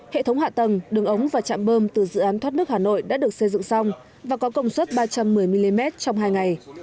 hệ thống hạ tầng đường ống và chạm bơm từ dự án thoát nước hà nội đã được xây dựng xong và có công suất ba trăm một mươi mm trong hai ngày